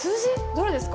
どれですか？